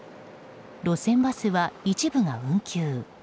路線バスは一部が運休。